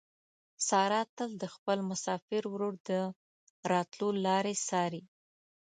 ساره تل د خپل مسافر ورور د راتلو لارې څاري.